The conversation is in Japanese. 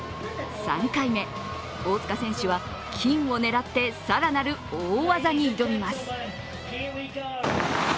３回目、大塚選手は金を狙って更なる大技に挑みます。